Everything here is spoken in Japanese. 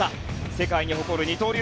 世界に誇る二刀流。